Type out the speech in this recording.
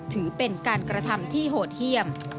ถือเป็นการกระทำที่โหดเยี่ยม